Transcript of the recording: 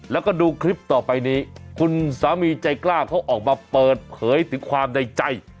แล้วก็ดูคลิปต่อไปนี้คุณสามีใจกล้าเขาออกมาเปิดเผยถึงความในใจ